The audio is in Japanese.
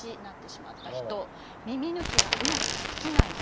「耳抜きがうまくできない人」。